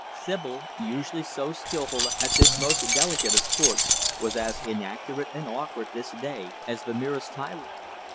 Sibyl usually so skillful at this most delicate of sports was as inaccurate and awkward, this day, as the merest tyro.